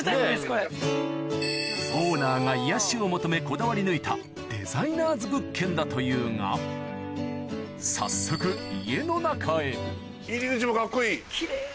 オーナーが癒やしを求めこだわり抜いたデザイナーズ物件だというが早速入り口もカッコいい。